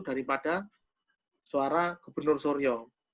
daripada suara gubernur suryo